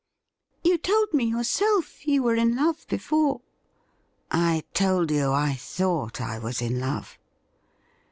' You told me yourself you were in love before ^'' I told you I thought I was in love.'